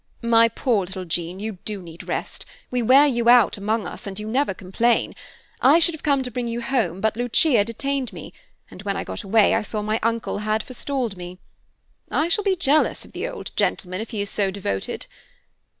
"My poor little Jean, you do need rest. We wear you out, among us, and you never complain. I should have come to bring you home, but Lucia detained me, and when I got away I saw my uncle had forestalled me. I shall be jealous of the old gentleman, if he is so devoted.